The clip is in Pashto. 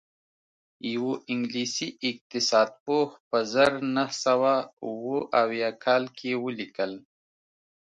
یوه انګلیسي اقتصاد پوه په زر نه سوه اووه اویا کال کې ولیکل